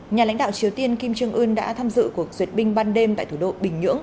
nhà lãnh đạo triều tiên kim trương ưn đã tham dự cuộc duyệt binh ban đêm tại thủ đô bình nhưỡng